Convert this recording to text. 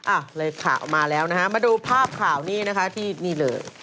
อ่ะเลยข่าวมาแล้วนะฮะมาดูภาพข่าวนี้นะคะที่นี่เลย